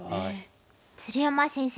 鶴山先生